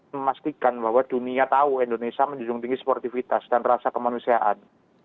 memastikan bahwa dunia tahu indonesia menjunjung tinggi sportivitas dan rasa kemanusiaan